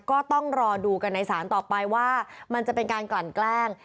ก็ต้องรอดูกันในศาลต่อไปว่ามันจะเป็นการกลั่นแกล้ง